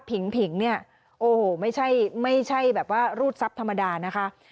ผิงเนี่ยโอ้โหไม่ใช่ไม่ใช่แบบว่ารูดทรัพย์ธรรมดานะคะ